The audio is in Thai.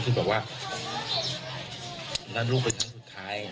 คือแบบว่าหน้านั่นลูกเป็นครั้งสุดท้าย